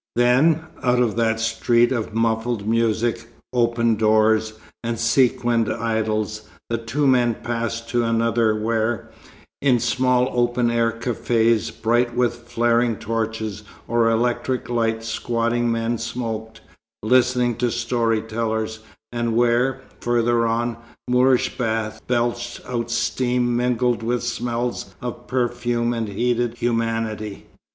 Then, out of that street of muffled music, open doors, and sequined idols, the two men passed to another where, in small open air cafés, bright with flaring torches or electric light squatting men smoked, listening to story tellers; and where, further on, Moorish baths belched out steam mingled with smells of perfume and heated humanity.